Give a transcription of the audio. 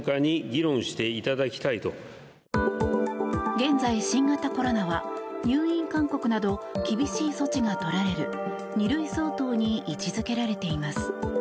現在、新型コロナは入院勧告など厳しい措置が取られる２類相当に位置付けられています。